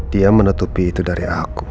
dia menutupi itu dari aku